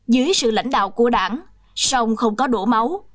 dưới sự lãnh đạo của đảng song không có đổ máu